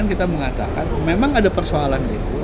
jadi kita mengatakan memang ada persoalan itu